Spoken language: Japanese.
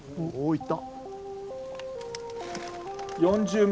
いった。